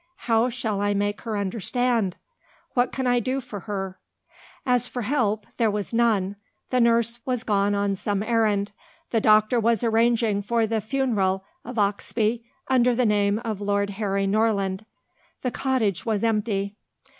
How shall I make her understand? What can I do for her?" As for help, there was none: the nurse was gone on some errand; the doctor was arranging for the funeral of Oxbye under the name of Lord Harry Norland; the cottage was empty.